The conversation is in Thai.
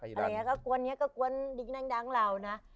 อันนี้ก็กวนดิ๊กนั่งดังเรานะ